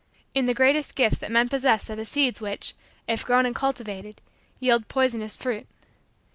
In the greatest gifts that men possess are the seeds which, if grown and cultivated, yield poisonous fruit.